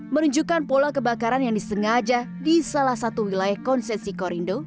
menunjukkan pola kebakaran yang disengaja di salah satu wilayah konsesi korindo